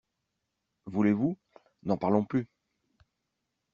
Voulez-vous ?… n’en parlons plus !